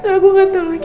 aku gak tau lagi